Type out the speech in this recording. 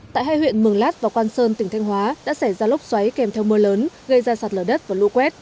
tại hai huyện mường lát và quan sơn tỉnh thanh hóa đã xảy ra lốc xoáy kèm theo mưa lớn gây ra sạt lở đất và lũ quét